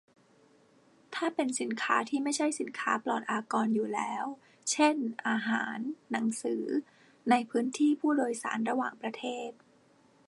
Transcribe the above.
ถ้าเป็นสินค้าที่ไม่ใช่สินค้าปลอดอากรอยู่แล้ว เช่น อาหาร หนังสือ ในพื้นที่ผู้โดยสารระหว่างประเทศ